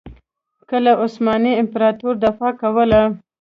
که له عثماني امپراطورۍ دفاع کوله.